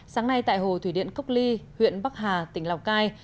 sáng nay tại hồ thủy điện cốc ly huyện bắc hà tỉnh lào cai